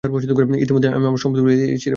ইতোমধ্যেই আমি আমার সম্পদ বিলিয়ে দিয়েছি!